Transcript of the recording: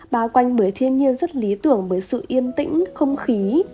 bao quanh bởi thiên nhiên rất lý tưởng bởi sự yên tĩnh không khí